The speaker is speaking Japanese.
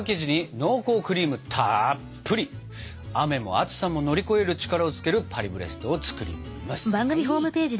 雨も暑さも乗り越える力をつけるパリブレストを作ります！